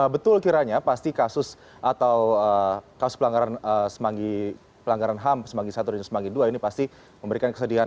betul kiranya pasti kasus atau kasus pelanggaran ham semanggi satu dan semanggi ii ini pasti memberikan kesedihan